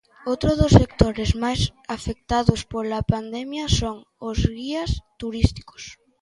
Outro dos sectores máis afectados pola pandemia son os guías turísticos.